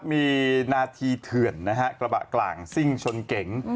มีนาทีเถื่อนนะฮะกระบะกลางซิ่งชนเก๋ง